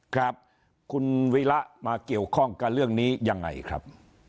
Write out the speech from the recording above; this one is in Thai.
ครับคุณวิระมาเกี่ยวข้องกับเรื่องนี้ยังไงครับ